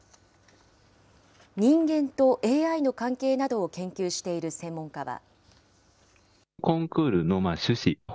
人間とＡＩの関係などを研究している専門家は。